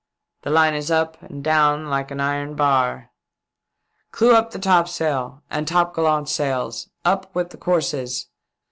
The line is up and down like an iron bar." " Clew up the topsails and topgallant sails. Up with the courses.